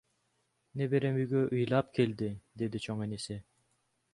Неберем үйгө ыйлап келди, — деди чоң энеси.